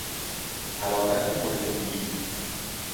حرارت مولکولی